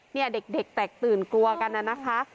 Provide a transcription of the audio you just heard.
เนี่ยเด็กแตกตื่นกลัวกันน่ะนะคะ